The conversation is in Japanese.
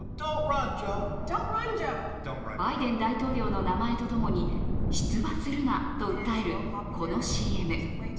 バイデン大統領の名前とともに、出馬するなと訴えるこのＣＭ。